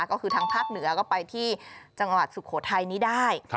ก็คือทางภาคเหนือก็ไปที่จังหวัดสุโขทัยนี้ได้